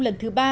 lần thứ ba